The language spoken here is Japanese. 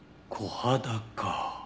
コハダか。